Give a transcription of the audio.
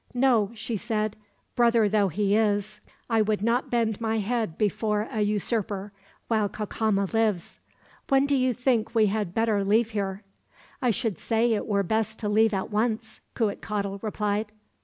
"No," she said, "brother though he is, I would not bend my head before a usurper, while Cacama lives. When do you think we had better leave here?" "I should say it were best to leave at once," Cuitcatl replied.